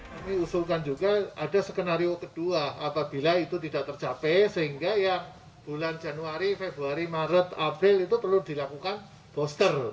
kami usulkan juga ada skenario kedua apabila itu tidak tercapai sehingga yang bulan januari februari maret april itu perlu dilakukan booster